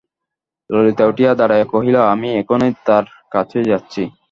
ললিতা উঠিয়া দাঁড়াইয়া কহিল, আমি এখনই তাঁর কাছেই যাচ্ছি।